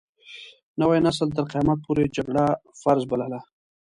نوي نسل تر قيامت پورې جګړه فرض بلله.